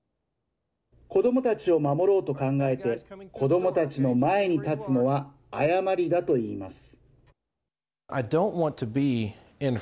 子どもたちを守ろうと考えて子どもたちの前に立つのは誤りだといいます。